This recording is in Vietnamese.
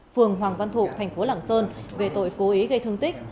phường hoàng văn thục tp lạng sơn về tội cố ý gây thương tích